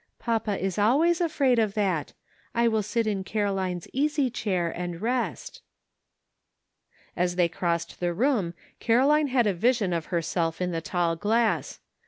"Papa is always afraid of that; I will sit in Caroline's easy chair and rest." As they crossed the room Caroline had a vision of herself in the tall glass.